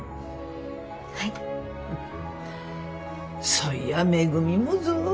そいやめぐみもぞ。